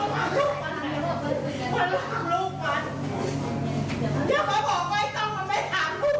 มันทำหวานกูทำไมหลานกูมีอะไรมันมีความผิดอะไร